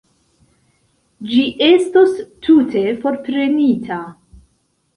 Ĝi estos tute forprenita.